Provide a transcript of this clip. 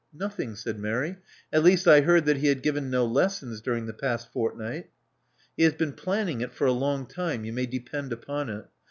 Nothing," said Mary. At least, I heard that he had given no lessons during the past fortnight." He has been planning it for a long time, you may depend upon it.